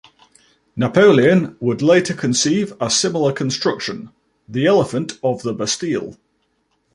Napoleon would later conceive a similar construction, the Elephant of the Bastille.